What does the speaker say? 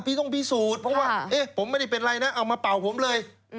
พี่ต้องพิสูจน์ผมไม่เป็นไรนะเอามาเปล่าผมเลย